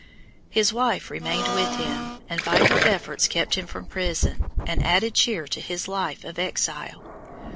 His wife remained with him, and by her efforts kept him from prison, and added cheer to his life of exile.